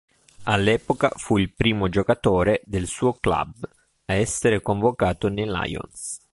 All'epoca fu il primo giocatore del suo club a essere convocato nei Lions.